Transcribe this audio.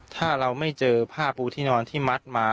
ถ้าเราไม่เจอผ้าปูที่นอนที่มัดมา